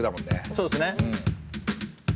そうですね。